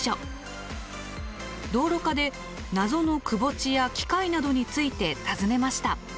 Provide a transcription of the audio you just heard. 道路課で謎の窪地や機械などについて尋ねました。